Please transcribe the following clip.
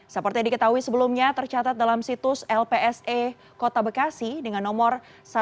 seperti diketahui sebelumnya tercatat dalam situs lpse kota bekasi dengan nomor satu sembilan delapan empat satu tiga lima sembilan